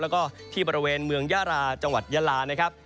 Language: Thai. แล้วก็ที่บริเวณเมืองยาราจังหวัดยาลานะครับ